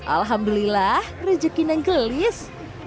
alhamdulillah rejeki nenggelis